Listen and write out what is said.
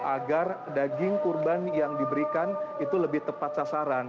agar daging kurban yang diberikan itu lebih tepat sasaran